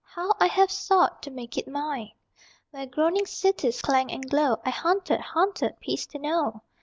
How I have sought To make it mine. Where groaning cities Clang and glow I hunted, hunted, Peace to know.